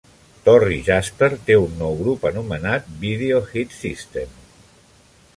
Torry Jasper té un nou grup anomenat Video Head System.